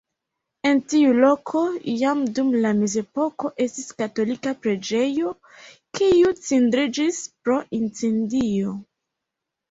En tiu loko jam dum la mezepoko estis katolika preĝejo, kiu cindriĝis pro incendio.